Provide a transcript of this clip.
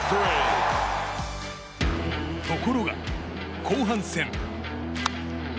ところが、後半戦。